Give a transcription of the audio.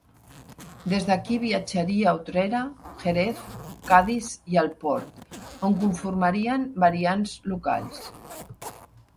Des d'aquí viatjaria a Utrera, Jerez, Cadis i El Port, on conformarien variants locals.